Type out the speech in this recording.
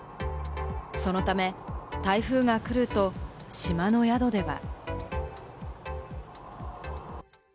そのため、台風が来ると島の宿では。